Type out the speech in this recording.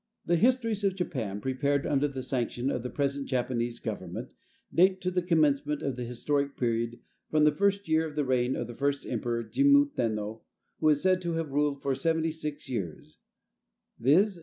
The histories of Japan, prepared under the sanction of the present Japanese government, date the commencement of the historic period from the first year of the reign of the first emperor, Jimmu Tenno, who is said to have ruled for seventy six years, viz.